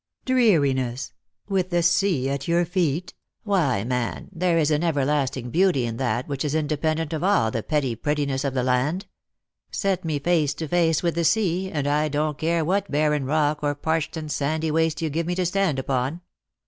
" Dreariness ! with the sea at your feet ? Why, man, there is an everlasting beauty in that which is independent of all the petty prettiness of the land. Set me face to face with the sea,, and I don't care what barren rock or parched and sandy waste yon give me to stand upon.